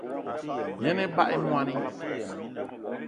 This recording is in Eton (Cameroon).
Yen ebag í moní